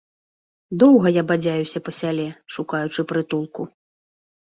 Доўга я бадзяюся па сяле, шукаючы прытулку.